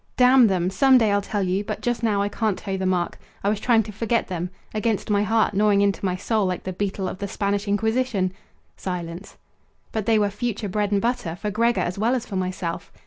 "Damn them! Some day I'll tell you. But just now I can't toe the mark. I was trying to forget them! Against my heart, gnawing into my soul like the beetle of the Spanish Inquisition!" Silence. "But they were future bread and butter for Gregor as well as for myself.